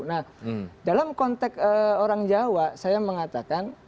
nah dalam konteks orang jawa saya mengatakan